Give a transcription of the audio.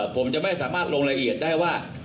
ผมจะไม่สามารถลงรายละเอียดได้ว่า